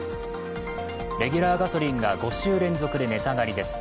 レギュラーガソリンが５週連続で値下がりです。